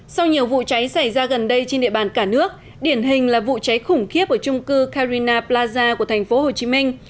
sau nhiều vụ cháy xảy ra gần đây trên địa bàn cả nước điển hình là vụ cháy khủng khiếp ở trung cư carina plaza của thành phố hồ chí minh